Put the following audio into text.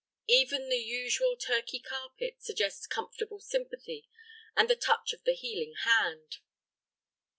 Even the usual Turkey carpet suggests comfortable sympathy and the touch of the healing hand.